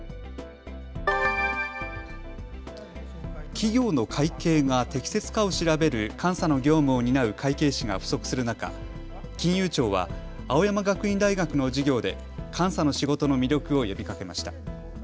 企業の会計が適切かを調べる監査の業務を担う会計士が不足する中、金融庁は青山学院大学の授業で監査の仕事の魅力を呼びかけました。